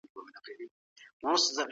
لمرګله